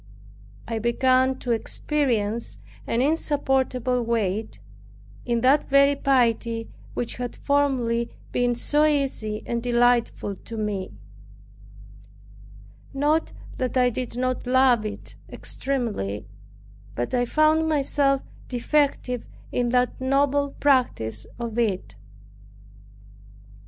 I began to experience an insupportable weight, in that very piety which had formerly been so easy and delightful to me; not that I did not love it extremely, but I found myself defective in that noble practice of it.